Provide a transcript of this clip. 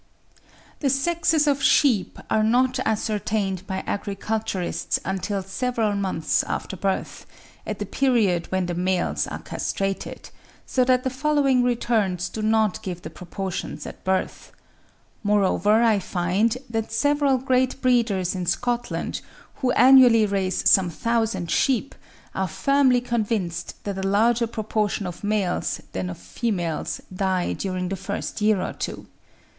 The sexes of sheep are not ascertained by agriculturists until several months after birth, at the period when the males are castrated; so that the following returns do not give the proportions at birth. Moreover, I find that several great breeders in Scotland, who annually raise some thousand sheep, are firmly convinced that a larger proportion of males than of females die during the first year or two.